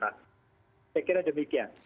saya kira demikian